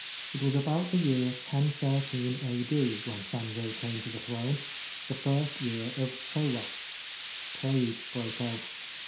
It was about the year 1013 A.D. when Sanjo came to the throne — the first year of Chowa. Plague broke out.